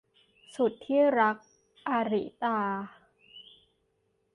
สุดที่รัก - อาริตา